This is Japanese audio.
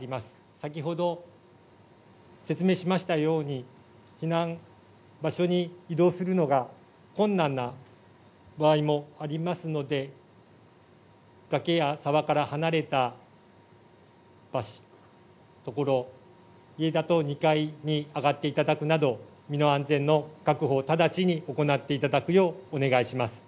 先ほど、説明しましたように、避難場所に移動するのが困難な場合もありますので、崖や沢から離れた所、家だと２階に上がっていただくなど、身の安全を確保を直ちに行っていただくようお願いします。